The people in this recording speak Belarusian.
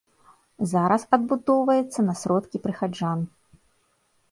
Зараз адбудоўваецца на сродкі прыхаджан.